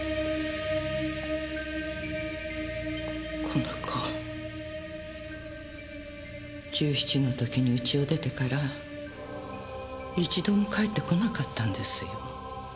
この子１７の時にうちを出てから一度も帰って来なかったんですよ。